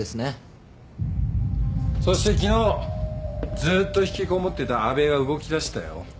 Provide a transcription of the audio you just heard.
そして昨日ずっと引きこもってた阿部が動きだしたよ。